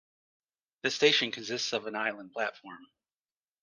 This station consists of an island platform.